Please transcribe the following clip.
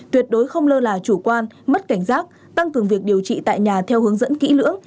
tuyệt đối không lơ là chủ quan mất cảnh giác tăng cường việc điều trị tại nhà theo hướng dẫn kỹ lưỡng